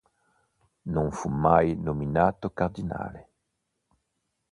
Non fu mai nominato Cardinale.